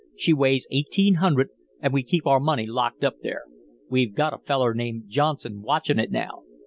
She weighs eighteen hundred, and we keep our money locked up there. We've got a feller named Johnson watchin' it now.